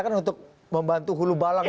ke arahnya sana